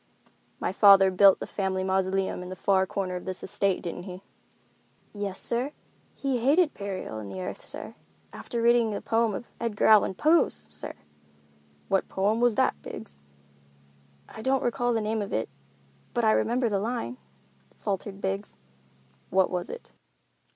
"My father built a family mausoleum in the far corner of this estate, didn't he?" "Yes, sir—he hated burial in the earth, sir, after reading a poem of Edgar Allan Poe's, sir!" "What poem was that, Biggs?" "I don't recall the name of it, but I remember the line," faltered Biggs. "What was it?"